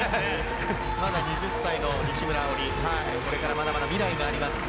まだ２０歳の西村碧莉、これから未来があります。